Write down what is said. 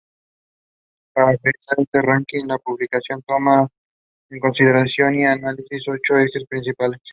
Para realizar este ranking, la publicación toma en consideración y analiza ocho ejes principales.